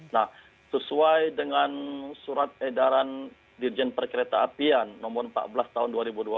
nah sesuai dengan surat edaran dirjen perkereta apian nomor empat belas tahun dua ribu dua puluh